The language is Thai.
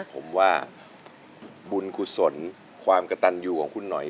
ผมว่าบุญกุศลความกระตันอยู่ของคุณหน่อย